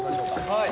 はい。